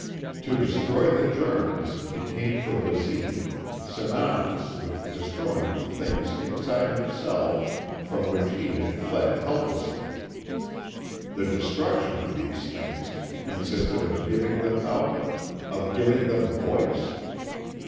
To destroy the Germans became for Basine synonymous with destroying the things inside himself from which he had fled helplessly. The destruction of these things consisted of giving them outlet, of giving them voice.